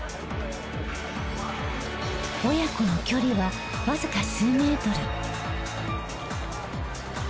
親子の距離はわずか数メートル。